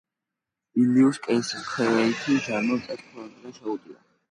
იულიუს კეისრის ქვეითმა ჯარმა მტერს ფრონტიდან შეუტია.